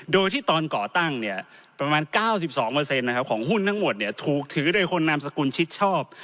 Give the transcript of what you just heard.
โดยที่ตอนก่อตั้งประมาณ๙๒ของหุ้นทั้งหมดถูกถือโดยคนนามสกุลชิดชอบ